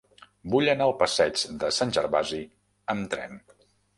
Vull anar al passeig de Sant Gervasi amb tren.